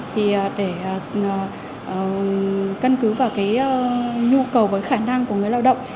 thì để cân cứ vào nhu cầu và khả năng của người lao động